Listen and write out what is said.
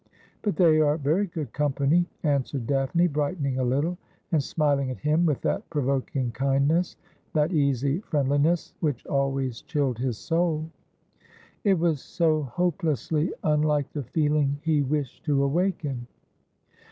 But they are very good company,' answered Daphne, brightening a little, and smiling at him with that provoking kindness, that easy friendli ness, which always chilled his soul. It was so hopelessly unlike the feeling he wished to awaken.